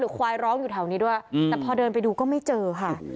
ควายร้องอยู่แถวนี้ด้วยแต่พอเดินไปดูก็ไม่เจอค่ะ